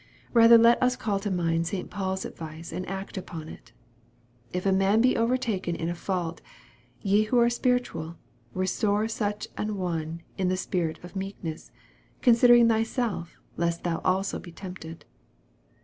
Kather let us call to mind St. Paul's advice, and act upon it. " If a man be overtaken in a fault, ye which are spiritual, restore such an one in the spirit of meekness ; considering thyself, lest thou also be tempted."